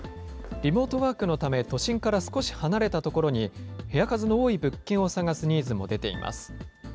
リモートワークのため、都心から少し離れた所に、部屋数の多い物件を探すニーズも出ています。